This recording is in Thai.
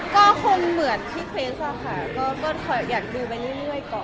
ก็คงเหมือนพี่เฟซอะค่ะก็อยากดูไปนี่ด้วยก่อน